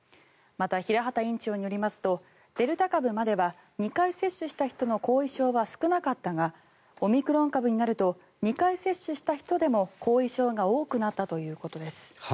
また、平畑院長によりますとデルタ株までは２回接種した人の後遺症は少なかったがオミクロン株になると２回接種した人でも後遺症が多くなったということです。